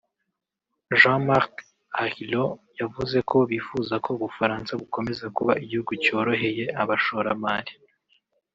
Jean-Marc Ayrault yavuze ko bifuza ko u Bufaransa bukomeza kuba igihugu cyoroheye abashoramari